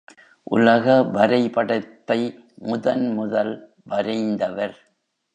உலக வரை படத்தை முதன் முதல் வரைந்தவர்!